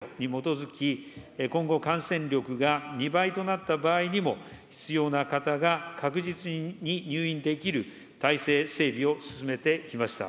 このため先般、取りまとめた全体像に基づき、今後、感染力が２倍となった場合にも、必要な方が確実に入院できる体制整備を進めてきました。